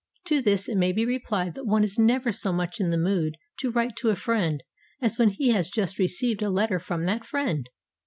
To this, it may be replied that one is never so much in the mood to write to a friend as when he has just received a letter from that friend.